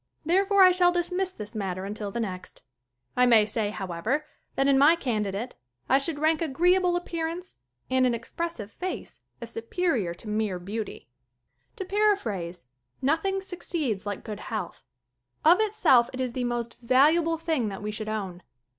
Therefore I shall dismiss this matter until the next. I may say, however, that in my candidate I should rank agreeable appear ance and an expressive face as superior to mere beauty. To paraphrase, nothing succeeds like good health. Of itself it is the most valuable thing that we should own.